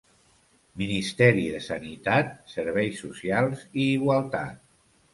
Ministeri de Sanitat, Serveis Socials i Igualtat.